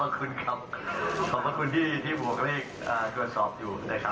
ขอบคุณครับขอบคุณที่หัวเลขเกิดสอบอยู่นะครับ